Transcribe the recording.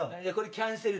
キャンセル？